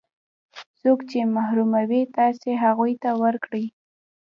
څوک چې محروموي تاسې هغو ته ورکړئ.